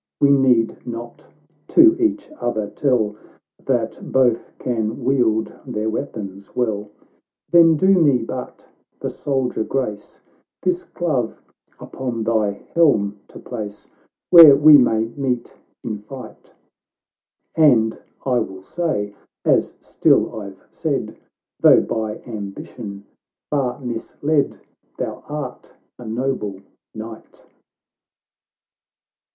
We need not to each other tell, That both can wield their weapons well; Then do me but the soldier grace, This dove upon thy helm to place Where we may meet in fight; And I will say, as still I've said, Though by ambition far misled, Thou art a nob.e knight."